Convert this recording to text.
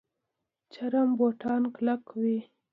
چرم بوټان کلک وي